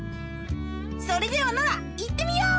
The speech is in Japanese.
それではノラ行ってみよう！